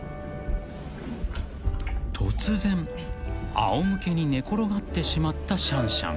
［突然あお向けに寝転がってしまったシャンシャン］